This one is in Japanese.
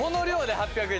８００円！